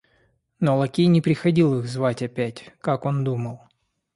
Но лакей не приходил их звать опять, как он думал.